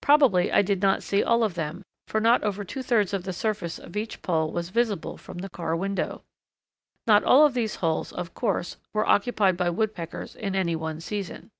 Probably I did not see all of them, for not over two thirds of the surface of each pole was visible from the car window. Not all of these holes, of course, were occupied by Woodpeckers in any one season.